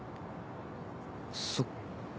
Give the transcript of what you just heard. そっか。